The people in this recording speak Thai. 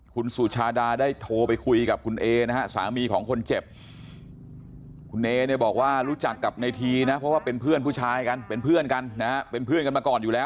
คุณสุชาดาได้โทรไปคุยกับคุณเอ๊กสามีของคนเจ็บ